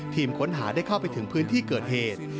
ค้นหาได้เข้าไปถึงพื้นที่เกิดเหตุ